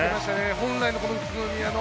本来の宇都宮の。